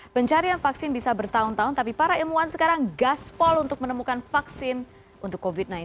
pencarian vaksin bisa bertahun tahun tapi para ilmuwan sekarang gaspol untuk menemukan vaksin untuk covid sembilan belas